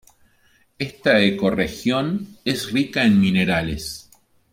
Esta ecorregión es rica en minerales.